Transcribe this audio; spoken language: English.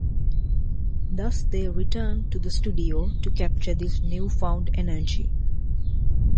Thus they returned to the studio to capture this newfound energy.